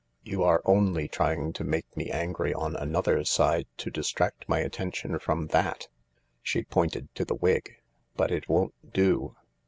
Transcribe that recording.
You are only trying to make me angry on another side to distract my attention from thai" She pointed to the wig. " But it won't do.